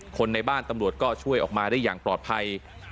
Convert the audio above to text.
คนในบ้านตำรวจก็ช่วยออกมาได้อย่างปลอดภัย